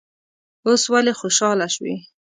اوس ولې خوشاله شوې.